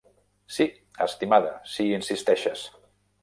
Sí, estimada, si hi insisteixes!